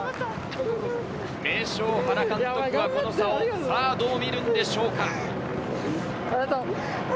名将・原監督はこの差をどう見るのでしょうか？